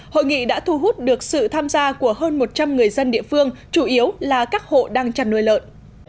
hội nghị đã thu hút được sự tham gia của hơn một trăm linh người dân địa phương chủ yếu là các hộ đang chăn nuôi lợn